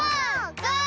ゴー！